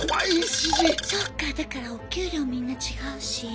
そっかだからお給料みんな違うし。